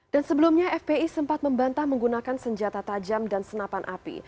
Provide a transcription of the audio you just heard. dan sebelumnya fpi sempat membantah menggunakan senjata tajam dan senapan api